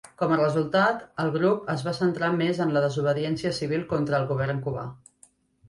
Com a resultat, el grup es va centrar més en la desobediència civil contra el govern cubà.